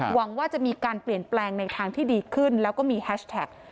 หวังว่าจะมีการเปลี่ยนแปลงในทางที่ดีขึ้นแล้วก็มีแฮชแท็ก